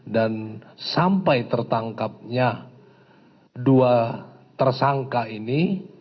dan sampai tertangkapnya dua tersangka ini